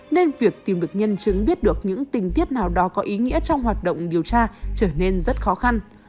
nên việc tìm được nhân chứng biết được những tình tiết nào đó có ý nghĩa trong hoạt động điều tra trở nên rất khó khăn